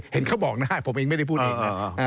เห็นเขาบอกได้ผมเองไม่ได้พูดเองนะ